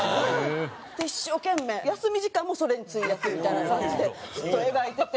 一生懸命休み時間もそれに費やすみたいな感じでずっと描いてて。